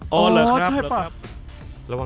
อ๋อใช่ป่ะ